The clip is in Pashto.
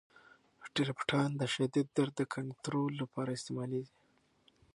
ټریپټان د شدید درد د کنترول لپاره استعمالیږي.